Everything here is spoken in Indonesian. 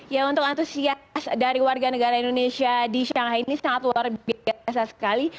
ya untuk antusias dari warga negara indonesia di shanghai ini sangat luar biasa sekali